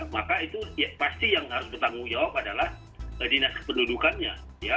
maka itu pasti yang harus bertanggung jawab adalah dinas kependudukannya